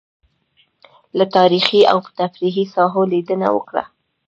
له تاريخي او تفريحي ساحو لېدنه وکړه.